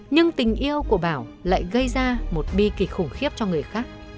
nhưng tình yêu của bảo lại gây ra một bi kịch khủng khiếp cho người khác